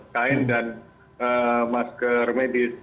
kain dan masker medis